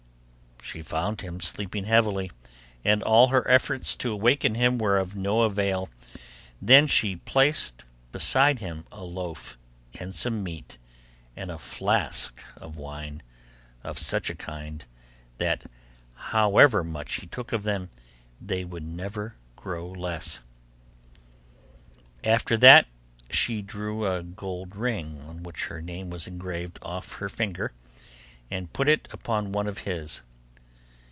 She found him sleeping heavily, and all her efforts to awaken him were of no avail. Then she placed beside him a loaf, and some meat, and a flask of wine, of such a kind, that however much he took of them, they would never grow less. After that she drew a gold ring, on which her name was engraved, off her finger, and put it upon one of his.